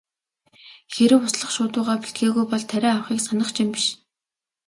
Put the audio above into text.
Хэрэв услах шуудуугаа бэлтгээгүй бол тариа авахыг санах ч юм биш.